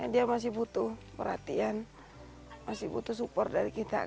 dia masih butuh perhatian masih butuh support dari kita